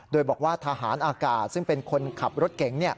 โดยบอกว่าทหารอากาศซึ่งเป็นคนขับรถเก๋ง